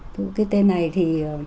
cái tên này thì